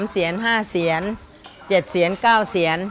เสียน๕เสียน๗เสียน๙เสียน